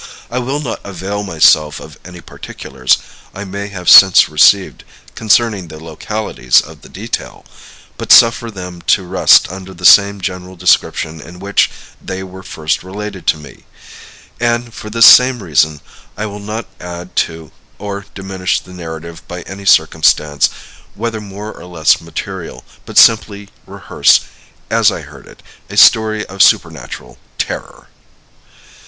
I will not avail myself of any particulars I may have since received concerning the localities of the detail, but suffer them to rest under the same general description in which they were first related to me; and, for the same reason, I will not add to or diminish the narrative by any circumstance, whether more or less material, but simply rehearse, as I heard it, a story of supernatural terror.